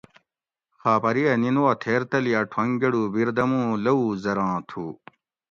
خاپری اۤ نِن وا تھیر تلی اَ ٹھونگ گۤڑو بیردمو لووُ زراں تھو